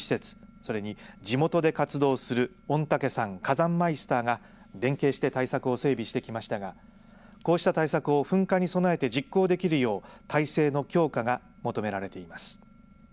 それに地元で活動する御嶽山火山マイスターが連携して対策を整備してきましたがこうした対策を噴火に備えて実行できるよう体制の強化が求められています。